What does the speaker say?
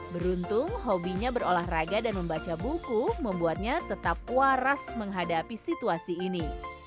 beruntung hobinya berolahraga dan membaca buku membuatnya tetap waras menghadapi situasi ini